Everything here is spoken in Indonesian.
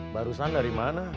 barusan dari mana